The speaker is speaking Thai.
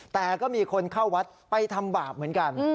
แต่ก็มีคนเข้าวัดไปทำบาปเหมือนกัน